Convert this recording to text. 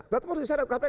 tidak harus diseret kpk